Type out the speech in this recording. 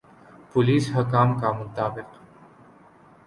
police حکام کا مطابق